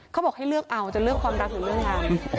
เขาบอกให้เลือกเอาจะเลือกความรักหรือเรื่องงาน